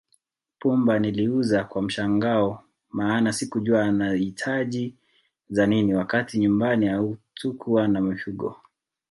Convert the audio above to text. Pumba niliuliza kwa mshangao maana sikujua anahitaji za nini wakati nyumbani hatukuwa na mifugo